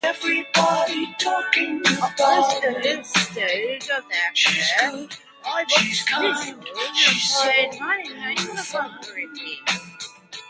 At this early stage of their career, Laibach's visuals employed mining iconography.